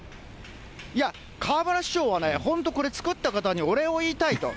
いや、河村市長はね、本当これ、作った方にお礼を言いたいと。